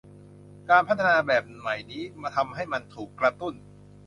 การพัฒนาแบบใหม่นี้ทำให้มันถูกกระตุ้น